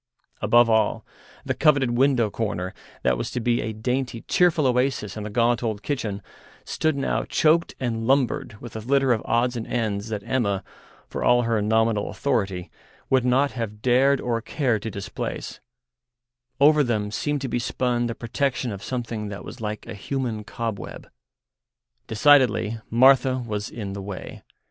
Above all, the coveted window corner, that was to be a dainty, cheerful oasis in the gaunt old kitchen, stood now choked and lumbered with a litter of odds and ends that Emma, for all her nominal authority, would not have dared or cared to displace; over them seemed to be spun the protection of something that was like a human cobweb. Decidedly Martha was in the way.